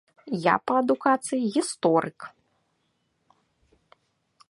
Я па адукацыі гісторык.